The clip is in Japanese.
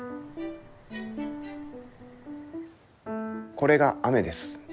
これが雨です。